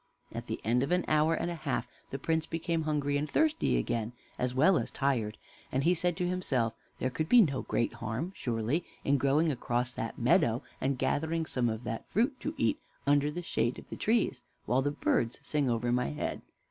At the end of an hour and a half the Prince became hungry and thirsty again, as well as tired, and he said to himself, "There could be no great harm surely in going across that meadow and gathering some of that fruit, to eat under the shade of the trees, while the birds sing over my head.